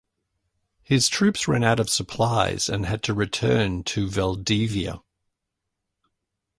His troops ran out of supplies and had to return to Valdivia.